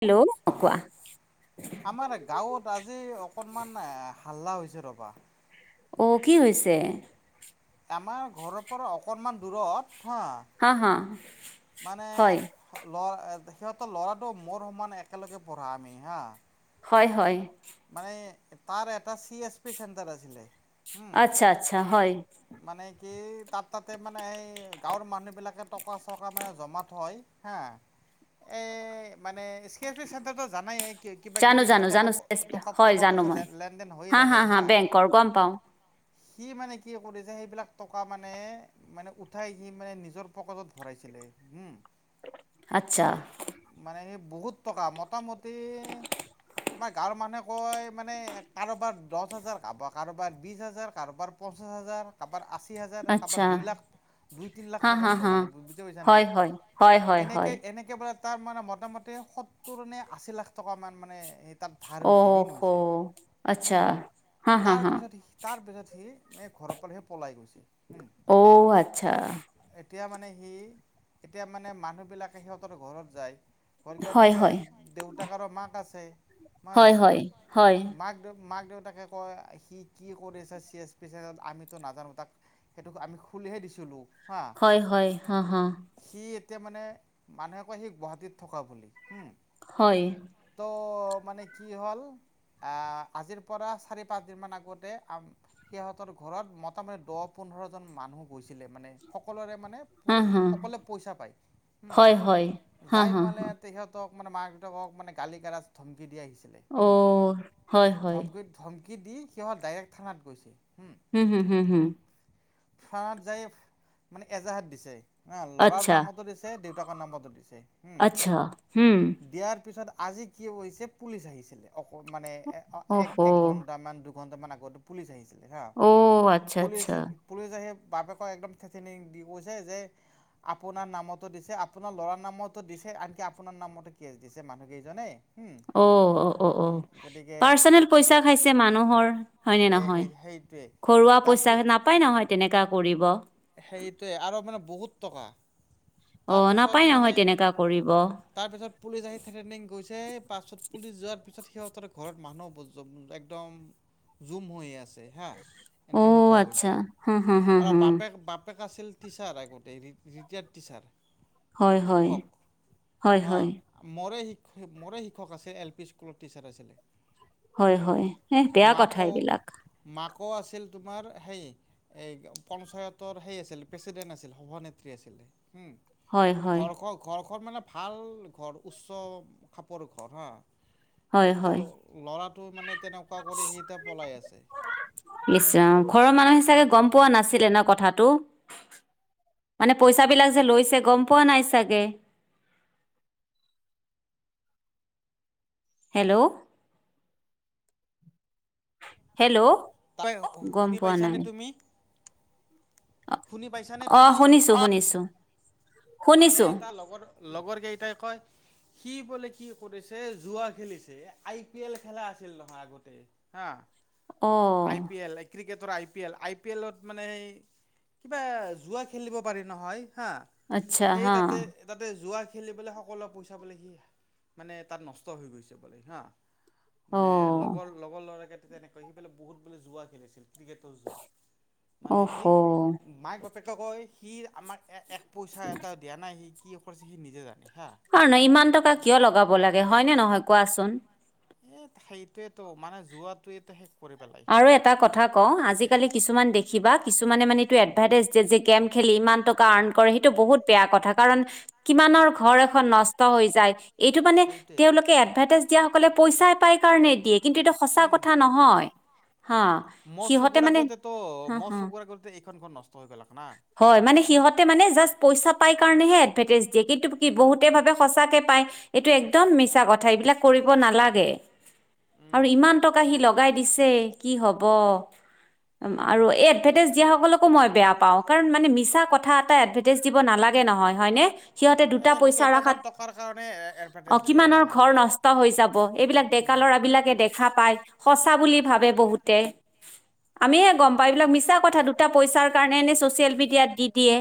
হয়, হেল্ল' অ কোৱা হয়, আমাৰ গাঁৱত আজি অকণমান হাল্লা হৈছে ৰ'বা। অ, কি হৈছে? আমাৰ ঘৰৰ পৰা অকণমান দূৰত হাঁ হা হা, মানে হয় ল'ৰা সিহঁতৰ ল'ৰাটো মোৰ সমান একেলগে পঢ়া আমি হা, হয়, হয়, মানে তাৰ এটা চি এছ পি চেণ্টাৰ আছিলে, উম আচ্ছা, আচ্ছা হয়। মানে কি তাত তাতে মানে সেই গাঁৱৰ মানুহবিলাকে টকা চকা মানে জমা থয়। হা এই মানে স্কেপি চেণ্টাৰটো জানাই কিবা জানো কিবি জানো টকা জানো টকা হয় টকা জানো পইচা মই লেনদেন হৈে থাকে হা। সি মানে কি কৰিছে সেইবিলাক টকা মানে মানে উঠাই সি মানে নিজৰ পকেটত ভৰাইছিলে হা আচ্ছা। মানে সেই বহুত টকা মোটামুটি আমাৰ গাঁৱৰ মানুহে কয় মানে, কাৰোবাৰ দছ হাজাৰ কাৰোবাৰ কাৰোবাৰ বিছ হাজাৰ কাৰোবাৰ পঞ্চাছ হাজাৰ কাৰোবাৰ আশী হাজাৰ কাৰোবাৰ আচ্ছা দুই লাখ, দুই তিন লাখ হা হা পৰ্যন্ত হা মানে বুজি পাইছা নে হয় হয় হয় হয় হয় এনেকে এনেকে একেবাৰে তাৰ মানে মোটামুটি সত্তৰ নে আশী লাখ টকামান মানে তাত ধাৰ হৈছে ঋণ অহ হৈছে হু আচ্ছা হা হা হা তাৰপিছত তাৰপিছত সি এই ঘৰৰ পৰা হে পলাই গৈছে। অ' আচ্ছা। এতিয়া, মানে সি এতিয়া, মানে মানুহবিলাকে সিহঁতৰ ঘৰত যায়। বৰদেতাক হয় থাকে হয় দেউতাক আৰু মাক আছে। মা হয় হয় হয় মাক দেউ মাক দেউতাকাকে কয়, সি কি কৰিছে চি এছ পি চেণ্টাৰত আমিতো নাজানো তাক। সেইটোক আমি খুলিহে দিছিলোঁ। হা হয়, হয়, হা, হা। সি এতিয়া মানে মানুহে কয় সি গুৱাহাটীত থকা বুলি হো। হয়। ত' মানে কি হ'ল আজিৰ পৰা চাৰি পাঁচদিনমান আগতে সিহঁতৰ ঘৰত মোটামুটি দহ পোন্ধৰ জন মানুহ গৈছিলে, মানে সকলোৰে মানে হা হা সকলোৱে পইচা পায়। হয় হয় হা যাই হা মানে সিহঁতক মানে মাক দেউতাকক মানে গালি গালাজ ধমকি দি আহিছিলে অ হয় হয় ধমকি ধমকি দি সিহঁত ডাইৰেক্ট থানাত গৈছে। হুম, হুম, হুম, হুম। থানাত যায় মানে এজাহাত দিছে, হা ল'ৰাৰ নামতো দিছে দেউতাকৰ নামটো দিছে হুম, দিয়াৰ পিছত আজি কি হৈছে পুলিচ আহিছিলে অকন মানে এক এক ঘণ্টামান দুঘণ্টামান আগত। পুলিচ আহিছিলে হা, অ' আচ্ছা, পুলিচ আচ্ছা। পুলিচে আহি বাপেকক একদম থ্ৰেটেইনিং দি কৈছে যে আপোনাৰ নামতো দিছে, আপোনাৰ ল'ৰাৰ নামতো দিছে, আনকি আপোনাৰ নামতো কেছ দিছে, মানুহ কেইজনে। অ'অ' অ 'অ 'পাৰ্চনেল পইচা খাইছে মানুহৰ হয়নে এই নহয়। সেই সেইটোৱে ঘৰুৱা তাৰ পইচা নাপায় নহয় তেনেকা কৰিব। সেইৰিটোৱে আৰু মানে বহুত টকা। অ' নাপায় নহয় তেনেককা কৰিব। তাৰ পিছত পুলিচ আহি থ্ৰেনিং গৈছে পাছত পুলিচ যোৱাৰ পিছত সিহঁতৰ ঘৰত মানুহ একদম জুম হৈ আছে হা। এনে অ' এনেকুৱা আচ্ছা, হৈছে, হু, হু, হু, আৰু হু। বাট বাপেক আছিল টিচাৰ আগতে ৰিটায়াৰ্ড টিচাৰ। হয়, হয়, শিক্ষক হয়, হা। হয়, মৰে শিক মৰে শিক্ষক আছিল এল পি স্কুলত টিচাৰ আছিলে। হয়, হয়, এ বেয়া কথা মাকো এইবিলাক। মাকো আছিল তোমাৰ হেই এই পঞ্চায়ত সেই আছিল প্ৰেচিডেণ্ট আছিল সভানেত্ৰী আছিলে হয়, হয়, ঘৰ খক ঘৰখন মানে ভাল ঘৰ উচ্চ খাপৰ ঘৰ হা। হয়, কিন্তু হয়। ল'ৰাটো মানে তেনেকুৱা কৰি সি এতিয়া পলাই আছে। ইচ ৰাম ঘৰৰ মানুহৰ হিচাপে গম পোৱা নাছিলে ন কথাাতটো। মানে পইচাবিলাক যে লৈছে গম পোৱা নাই চাগে। হেল্ল' হেল্ল' ত গম শুনি পোৱা পাইছা নাই নে তুমি? শুনি পাইছানে অ' তুমি? শুনিছো শুনিছো। মানে শুনিছো তাৰ লগৰ লগৰ কেইটাই কয় সি বোলে কি কৰিছে যোৱা খেলিছে আই পি এল খেলা আছিল নহয় আগতে। হা, অ আই পি এল ক্ৰিকেটৰ I P L I P এলত মানে সেই কিবা জোৱা খেলিব পাৰি নহয়, হা আচ্ছা সেই হা তাতে তাতে যোৱা খেলি পেললে সকলোৱে পইচা পাললে কি মানে তাত নষ্ট হৈ গৈছে বোলে হা। অ মানে লগৰ লগৰ ল'ৰাকে তেনেকৈ সেইফেলে বহুত বোলে জোৱা খেলিছিল। ক্ৰিকেটত যোৱা মানে অহ কি মাইক বাপেকে কয় সি আমাৰ এক পইচা এটা দিয়া নাই সি কি কৰিছে সি নিজে জানে হা। কাৰ নহয় ইমান টকা কিয় লগাব লাগে হয়নে নহয় কোৱাচোন। এই সেইটোয়েতটো মানে যোৱাটোয়েতো শেষ কৰি পেলায়। আৰু এটা কথা কওঁ আজিকালি কিছুমান দেখিবা কিছুমানে মানে এইটো এডভাৰটাইজ গেম খেলি ইমান টকাৰ্ কৰে সেইটো বহুত বেয়া কথা কাৰণ কিমানৰ ঘৰ এখন নষ্ট হৈ যায়, এইটো মানে সেইটোৱে তেওঁলোকে তে এডভাৰটাইজ দিয়াাসকলে পইচাই পাই কাৰণে দিয়ে কিন্তু এইটো সঁচা কথা নহয়, হা। মই সিহঁতে চকুৰ মানে আগতে তো হা মোৰ হা চকুৰ আগতে এইখন নষ্ট হৈ গলাক না। হয় মানে, সিহঁতে মানে জাষ্ট পইচা পাই কাৰণেহে এডভাৰটাইজ দিয়ে কিন্তু কি বহুতে ভাৱে সঁচাকৈ পায়। এইটো একদম মিছা কথা এইবিলাক কৰিব নালাগে। আৰু উম ইমান টকা সি লগাই দিছে কি হব। আৰু এই এডভাৰটাইজ দিয়াসকলকো মই বেয়া পাওঁ, কাৰণ মানে মিছা কথা এটা এডাৰ দিব নালাগে নহয়, হয়নে? সিহঁতে দুটা এই পইচা ৰখাত, কেইটামান টকাৰ কাৰণে এডভাৰটাইজ অ' দিয়ে কিমানৰ জানানে। ঘৰ নষ্ট হৈ যাব এইবিলাক ডেকা উম। লৰাবলাকে দেখা পায় সঁচা বুলি ভাবে বহুতে। আমি হে গম পাওঁ এইবিলাক মিছা কথা দুটা পইচাৰ কাৰণে ছচিয়েল মিডিয়াত দি দিয়ে,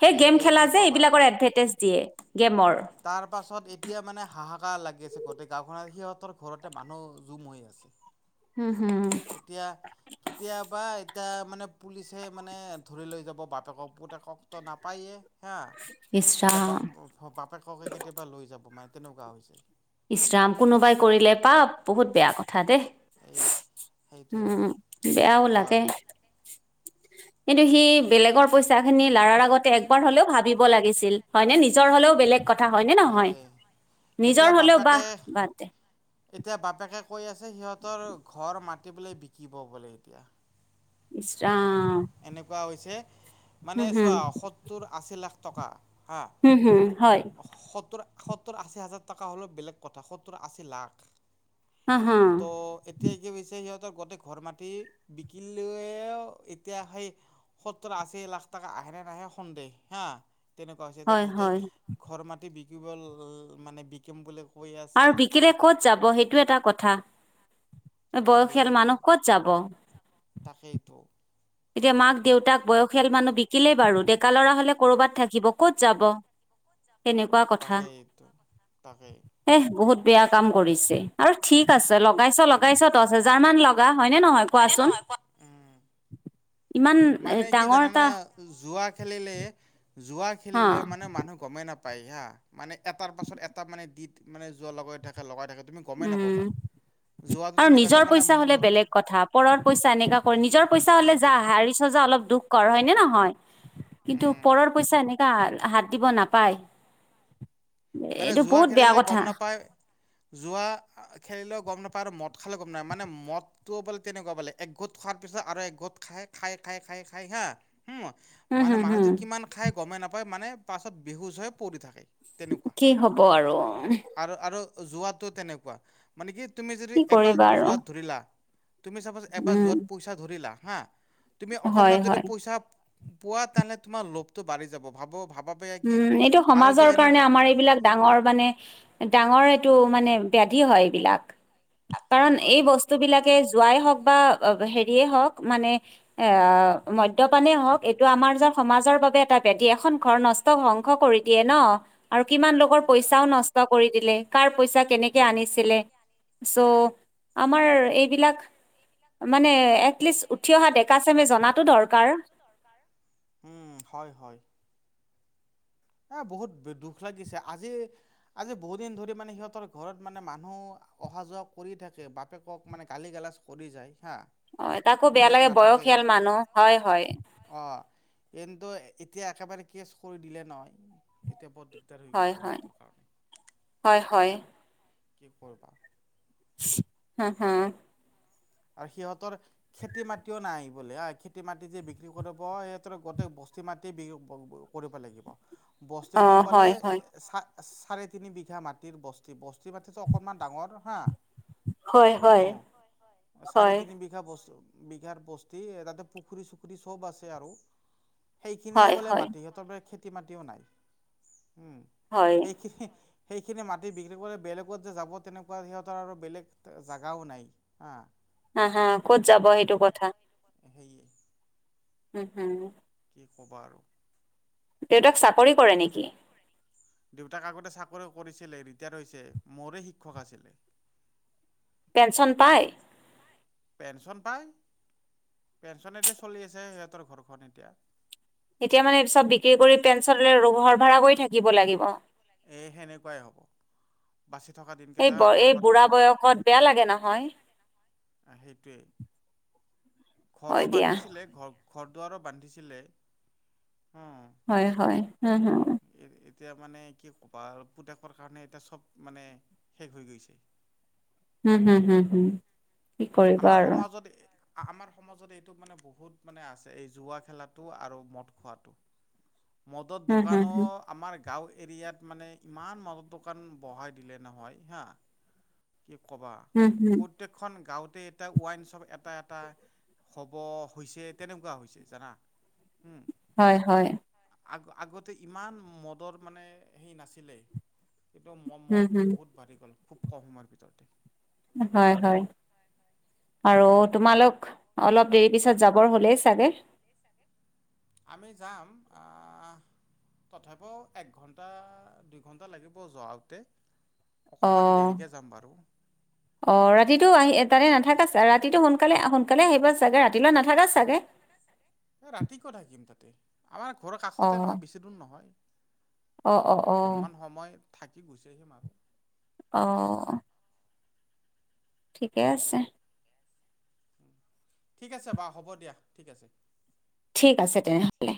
সেই গেম সেইটোৱে খেলা কি যে কৰবা। এইবিলাকৰ এদভাৰটেজ দিয়ে, গেমৰ। তাৰ পাছত এতিয়া মানে হাহাকাৰ লাগি আছে, গোটেই গাঁওখনত সিহঁতৰ ঘৰতে মানুহ জুম হৈ আছে। হম। এতিয়া কেতিয়াবা এতিয়া মানে পুলিচে মানে ধৰি লৈ যাব বাপেকক, পুতেক ট নাপায়ে। হে, এতিয়া ইচৰাম ব বাপেককে কেতিয়াবা লৈ যাব, মানে তেনেকুৱা হৈছে‌। ইচৰাম, কোনোবাই কৰিলে পাপ বহুত বেয়া-কথা দেই। এই সেইটোৱে উম', কি বেয়াও ক'বা লাগে। আৰু। কিন্তু, সি বেলেগৰ পইা পচা খিনি লাৰাৰ আগতে একবাৰ হলেও ভাবিব লাগিছিল, হয় ন, নিজৰ হলেও বেলেগ কথা হয় নে নহয়? সেইটোৱে নিজৰ এতিয়া হলেও বাহ বাপেকে ব দে এতিয়া বাপেকে কৈ আছে, সিহঁতৰ ঘৰ মাতিবেললৈ বিকিব বোলে এতিয়া। ইচৰাম। এনেকুৱা হৈছে, ‌ হম মানে হম চোৱা সত্তৰ আশী লাখ টকা হাঁ। উম', হুম, হয়। সত্তৰ সত্তৰ আশী হাজাৰ টকা হ'লেও বেলেগ কথা, সত্তৰ আশী লাখ। হা হা ত', ‌ এতিয়া কিছে সিহঁতৰ গোটেই ঘৰ মাটি বিকিলেয় এতিয়া সেই সত্তৰ আশী লাখ টকা আহে নে নাহে সন্দেহ, হা। তেনেকুৱা হৈছে যে হয় গোটেই হয় ঘৰ মাটি বিকিব মানে বিকম বুলি কৈ আছে আৰু বিকিলে ক'ত যাব, সেইটো এটা কথা। বয়সীয়াল সেইয়েটো, মানুহ ক'ত যাব তাকেইতো। এতিয়া মাক দেউতাক বয়সীয়াল মানুহ বিকিলেই বাৰু, ডেকা ল'ৰা হ'লে কৰ'বাত থাকিব। ক'ত যাব? তেনেকুৱা ক তাকেইটো, তাকেই। এহ, বহুত বেয়া কাম কৰিছে। আৰু ঠিক আছে, লগাইছ-লগাইছ দহ হেজাৰ মান লগা, হয়নে নহয়? কোৱাচোন? উম ইমান মানে কি ডাঙৰ জনানা? এটা জোৱা খেলিলে, জোৱা হা খেলিলে মানে মানুহ গমেই নাপায় হা। মানে এটাৰ পাছত এটা মানে দি মানে যোৱা লগাই থাকে, লগাই থাকে। তুমি গমেই উম। নাপাবা যোৱাটো আৰু তেনেকুৱা যে নিজৰ মানে পইচা হ'লে বেলেগ কথা। পৰৰ পইচা এনেকা কৰে, নিজৰ পইচা হ'লে যা সেইটোৱে হাৰি চা যা, অলপ দুখ কৰ, হয়নে নহয়? কিন্তু, উম পৰৰ পইচা, এনেকা‌ হাত দিব নাপায়‌। আৰে জুৱা খেলিলে গ'ম নাপায়। যোৱা খেলিলেও গম নাপায়। আৰু মদ খালে গম নাপায়। মানে মদ তো, বোলে তেনেকুৱা বোলে। একঘোট খোৱাৰ পিছত আৰু একঘোট খাই-খাই-খাই-খাই-খাই হা উম মানে হম হম মানুহটো কিমান খাই গমে নাপায়, মানে পাছত বিহুজ হৈ পৰি থাকে। তেনেকুৱা কি হ'ব আৰু। আৰু আৰু জোৱাটো তেনেকুৱা। মানে, কি তুমি যদি কি এবাৰ কৰিবা আৰু জোৱাত ধৰিলা তুমি চাপজ, এবাৰ উম যোৱাত পইচা ধৰিলা। হা, তুমি হয় অকণমান যদি হয় পইচা পোৱা তানে তোমাৰ লোভটো বাঢ়ি যাব। ‌ ভাব' ভাবা উম। এইটো সমাজৰ কাৰণে আমাৰ এইবিলাক ডাঙৰ মানে ডাঙৰ এইটো মানে বেদি হয় এইবিলাক। হয় কাৰণ হয় এই হয় বস্তুবিলাকে, যোৱাই হওঁক বা হেৰিয়ে হওঁক, মানে এ, মদ্যপানেই হওঁক। এইটো আমাৰ য সমাজৰ বাবে এটা বেদি। এখন ঘৰ নচ ধ্বংস কৰি দিয়ে ন', আৰু কিমান লোকৰ হয় দিয়া পইচাও নষ্ট কৰি দিলে। কাৰ পইচা কেনেকে উম আনিছিলে? চ', আমাৰ এইবিলাক মানে এটলিষ্ট উঠি অহা ডেকা চেমে, জনাটো দৰকাৰ। উম'। হয়, হয়। এ', বহুত দুখ লাগিছে। আজি আজি বহুতদিন ধৰি, মানে সিহঁতৰ ঘৰত মানে মানুহ অহা যোৱা কৰি থাকে। বাপেকক মানে গালি গালাজ কৰি যায় হা। অ, তাকো বেয়া পুতেক লাগে নাথাকে বয়সীয়াল মানুহ। হয়, হয়। অ, কিন্তু এতিয়া একেবাৰে কেছ কৰি দিলে নয়, এতিয়া ব দি হয়, হয়। হয়, হয়। কি কৰিবা। হু, হু। আৰু সিহঁতৰ খেতি মাতিও নাই বোলে। খেতি মাটি যে বিক্ৰী কৰিব সিহঁতৰ গোটেই বস্তি মাটি বিক্ৰী বি। [unintelligible] কৰিব লাগিব, বস্তুটো অ', পালে হয়, হয়। চা চাৰে তিনি বিঘা মাটিৰ বস্তি, বস্তি মাটিটো অকনমান ডাঙৰ হা। হয়। হয়। উম চাৰে হয়, তিনি বিঘা বছ, বিঘাৰ বস্তি তাতে পুখুৰী চুখুৰী চব আছে আৰু। সেইখিনিয়ে হয়, বোলে হয়, মাটি, সিহঁতৰ বোলে খেতি মাতিও নাই। উম, হয়। সেইখিনি সেইখিনি মাটি বিক্ৰী কৰি বেলেগত যে যাব, তেনেকুৱা সিহঁতৰ আৰু বেলেগ জাগাও নাই, হা। হা, হা। ক'ত যাব সেইটো ক'ত যাব, কথা। সেইতো সেয়ে। হুম, হুম। কি ক'বা আৰু। দেউতাক চাকৰি কৰে নেকি। দেউতাক আগতে চাকৰি কৰিছিলে ৰিটায়াৰ হৈছে মোৰে শিক্ষক আছিলে। পেঞ্চন পায়। পেঞ্চন পায়, পেঞ্চন এদি চলি আছে সিহঁতৰ ঘৰখন এতিয়া এতিয়া মানে চব বিক্ৰী কৰি পেঞ্চনলৈ ঘৰ ভ়াড়া কৰি থাকিব লাগিব। এই সেনেকুৱাই হ'ব বাচি থকা এই দিনকেইটা ব এই ক'ৰবাত বুঢ়া ঘৰ বয়সত বেয়া লাগে নহয়। অ, সেইটোৱেই। ঘৰো হয় দিয়া। বান্ধিছিলে ঘৰ, ঘৰ দুৱাৰো বান্ধিছিলে হুম। হয়, হয়, উম, উম। এতিয়া মানে কি ক'বা আৰু পুতেকৰ কাৰণে এতিয়া চব মানে শেষ হৈ গৈছে। হুম, হুম, হুম, হুম। কি কৰিবা আমাৰ আৰু। সমাজত আমাৰ সমাজত এইটো মানে বহুত মানে আছে এই জুৱা খেলাটো আৰু মদ খোৱাটো। [unintelligible] মদত হুম, হুম, দোকানৰ হুম। আমাৰ গাঁও এৰিয়াত মানে ইমান মদৰ দোকান বঢ়াই দিলে নহয় হা। কি ক'বা হুম, হুম। প্ৰত্যেকখন গাঁৱতে এতিয়া ৱাইন শ্বপ এটা, এটা হ'ব হৈছে তেনেকুৱা হৈছে জানা হুম। হয়, হয়। আগ-আগতে ইমান মদৰ মানে সেই নাছিলে। কিন্তু হুম, ম-মদটো হুম। বহুত বাঢ়ি গ'ল খুব কম সময়ৰ ভিতৰতে হয়, হয়। আৰু তোমালোক অলপ দেৰি পিছত যাবৰ হ'লেই চাগে। আমি যাম আহ। তথাপিও একঘণ্টা, দুইঘণ্টা লাগিব যোৱাতে। অকণমান অ', দেৰিকৈ যাম বাৰু। অ, ৰাতিতটো আহি তাতে নাথাকা ছাগে ৰাতিটো সোনকালে সোনকালে আহিবা চাগে ৰাতিলৈ নাথাকা চাগে। এই ৰাতি কিয় থাকিম তাতে আমাৰ ঘৰৰ কাষতে অ', নহয় বেছি দূৰ নহয়। অ', অ', অ', অকণমান সময় থাকি গুচি আহিম আৰু। অ'। ঠিকে আছে। ঠিক আছে বাৰু হ'ব দিয়া ঠিক আছে। ঠিক আছে তেনেহ'লে।